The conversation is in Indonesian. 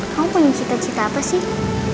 kamu punya cita cita apa sih